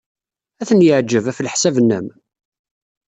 Ad ten-yeɛjeb, ɣef leḥsab-nnem?